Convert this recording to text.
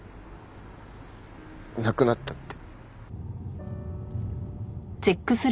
亡くなったって。